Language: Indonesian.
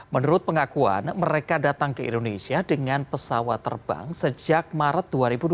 menurut pengakuan mereka datang ke indonesia dengan pesawat terbang sejak maret dua ribu dua puluh